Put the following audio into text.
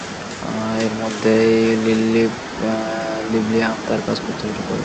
এর মধ্যেই লিব্লিয়াম তার কাজ করতে শুরু করবে।